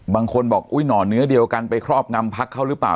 บางคนบอกอุ๊ยหน่อเนื้อเดียวกันไปครอบงำพักเขาหรือเปล่า